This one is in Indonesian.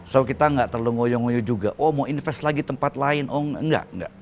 so kita nggak terlalu ngoyo ngoyo juga oh mau invest lagi tempat lain oh enggak enggak